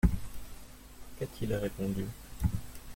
Qu’a-t-il répondu ?